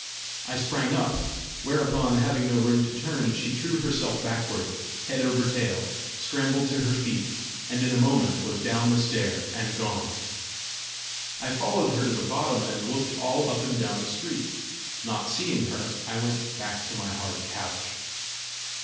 I sprang up; whereupon, having no room to turn, she threw herself backward, head over tail, scrambled to her feet, and in a moment was down the stair and gone. I followed her to the bottom, and looked all up and down the street. Not seeing her, I went back to my hard couch.